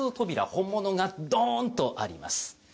本物がドーンとあります。